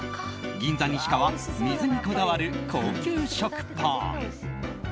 銀座に志かわ水にこだわる高級食パン。